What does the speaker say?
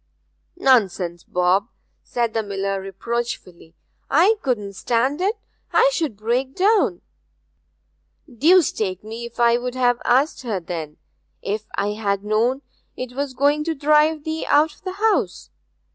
'Nonsense, Bob!' said the miller reproachfully. 'I couldn't stand it I should break down.' 'Deuce take me if I would have asked her, then, if I had known 'twas going to drive thee out of the house!